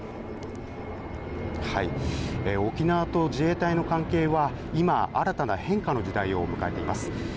沖縄と自衛隊の関係は、今、新たな変化の時代を迎えています。